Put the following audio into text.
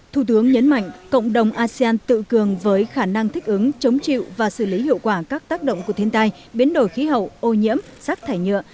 thủ tướng nhấn mạnh cộng đồng asean tự cường với khả năng thích ứng chống chịu và xử lý hiệu quả các tác động của thiên tai biến đổi khí hậu ô nhiễm rác thải nhựa